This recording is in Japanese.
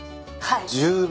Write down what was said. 十分。